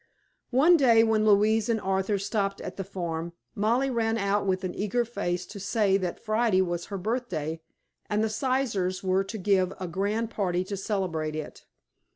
One day when Louise and Arthur stopped at the farm, Mollie ran out with an eager face to say that Friday was her birthday and the Sizers were to give a grand party to celebrate it.